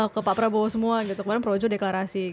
ke pak prabowo semua gitu kemarin projo deklarasi